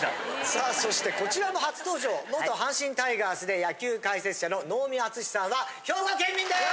さあそしてこちらも初登場元阪神タイガースで野球解説者の能見篤史さんは兵庫県民です！